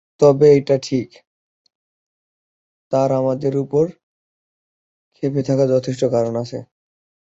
তবে এটা ঠিক, তাঁর আমাদের ওপর খেপে থাকার যথেষ্ট কারণ আছে।